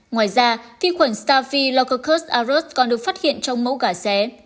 ngoài ra vi khuẩn staphylococcus aureus còn được phát hiện trong mẫu gà xé